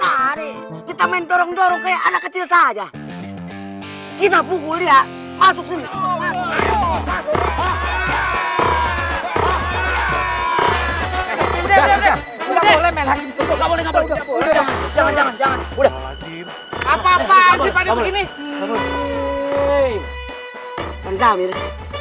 dari tadi kita main dorong dorong kayak anak kecil saja kita bukul dia masuk sini